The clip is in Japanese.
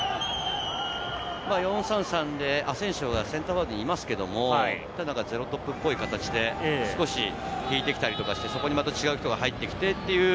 ４−３−３でアセンシオはセンターフォワードにいますけれど、ゼロトップっぽい形で少し引いてきたりとかして、また違う人が入ってきてという。